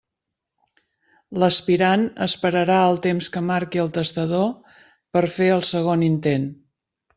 L'aspirant esperarà el temps que marqui el testador per fer el segon intent.